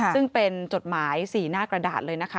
ซึ่งเป็นจดหมาย๔หน้ากระดาษเลยนะคะ